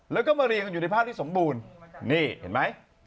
แล้วก็มาเรียงอยู่ในภาพที่สมบูรณ์นี่เห็นไหม